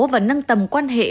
và nâng tầm quan hệ